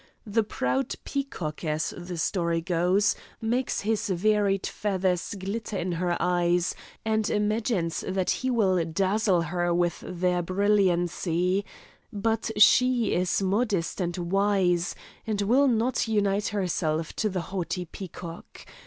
The proud peacock, as the story goes, makes his varied feathers glitter in her eyes, and imagines that he will dazzle her with their brilliancy, but she is modest and wise, and will not unite herself to the haughty peacock.